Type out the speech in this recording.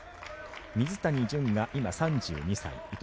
水谷隼が今３２歳伊藤